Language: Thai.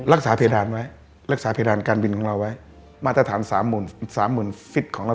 เพดานไว้รักษาเพดานการบินของเราไว้มาตรฐานสามหมื่นสามหมื่นฟิตของเรา